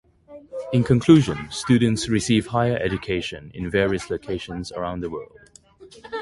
In conclusion, students receive higher education in various locations around the world.